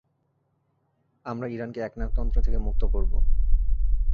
আমরা ইরানকে একনায়কতন্ত্র থেকে মুক্ত করব।